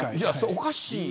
おかしい。